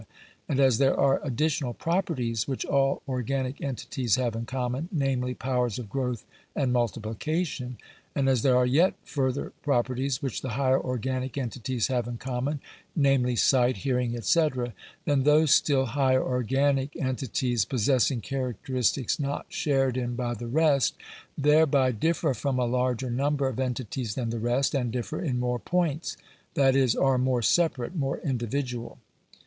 and as there are additional properties which all organic entities have in common, namely, powers of growth and multiplication; and as there are yet further pro perties which the higher organic entities have in common, namely, sight, hearing, &c.; then those still higher organic * Jones. » Ibid. Digitized by VjOOQIC / 440 GENERAL CONSIDERATIONS. entities possessing characteristics not shared in by the rest, thereby differ from a larger number of entities than the rest, and differ in more points — that is, are more separate, more individual.